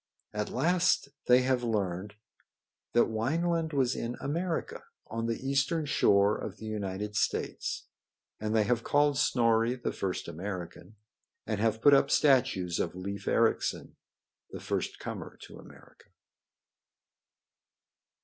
At last they have learned that Wineland was in America, on the eastern shore of the United States, and they have called Snorri the first American, and have put up statues of Leif Ericsson, the first comer to America.